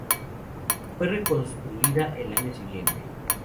Fue reconstruida el año siguiente.